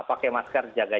pakai masker jaga